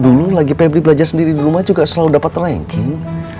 dulu lagi pebri belajar sendiri di rumah juga selalu dapat ranking